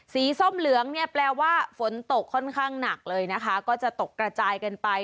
ส้มเหลืองเนี่ยแปลว่าฝนตกค่อนข้างหนักเลยนะคะก็จะตกกระจายกันไป